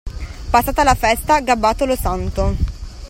Passata la festa, gabbato lo santo.